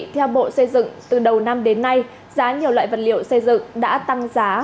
theo bộ xây dựng từ đầu năm đến nay giá nhiều loại vật liệu xây dựng đã tăng giá